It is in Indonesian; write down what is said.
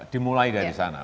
dimulai dari sana